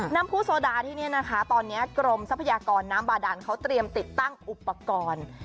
น้ำผู้โซดาที่นี่นะคะตอนนี้กรมทรัพยากรน้ำบาดานเขาเตรียมติดตั้งอุปกรณ์